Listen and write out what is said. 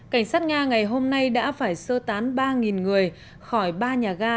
cảnh sát nga ngày hôm nay đã phải sơ tán ba người khỏi ba nhà ga